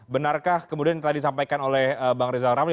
benarkah kemudian tadi disampaikan oleh bang reza ramli